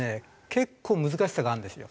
結構難しさがあるんですよ